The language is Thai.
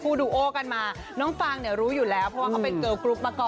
เผลอนิดหนึ่งนะดูนิดหนึ่งจ้า